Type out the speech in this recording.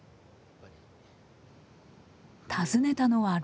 訪ねたのは６月。